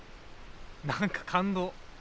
何か感動。